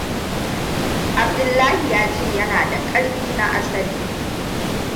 Abdullahi ya ce yana ƙarfi na asali.